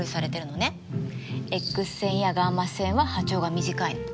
Ｘ線やガンマ線は波長が短いの。